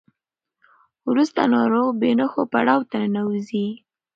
وروسته ناروغ بې نښو پړاو ته ننوځي.